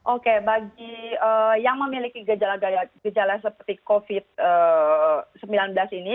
oke bagi yang memiliki gejala gejala seperti covid sembilan belas ini